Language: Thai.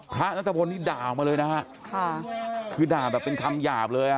พระนัทพลนี่ด่ามาเลยนะฮะค่ะคือด่าแบบเป็นคำหยาบเลยอ่ะ